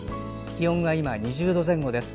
気温が今２０度前後です。